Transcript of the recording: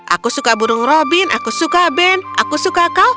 aku suka burung robin aku suka band aku suka kau